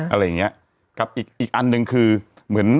อะไรอย่างนี้กับอีกอันหนึ่งคือ